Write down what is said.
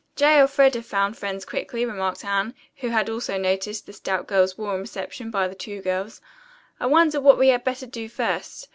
"J. Elfreda found friends quickly," remarked Anne, who had also noticed the stout girl's warm reception by the two girls. "I wonder what we had better do first.